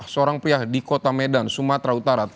seorang pria di kota medan sumatera utara